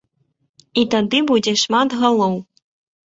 І тады будзе шмат галоў.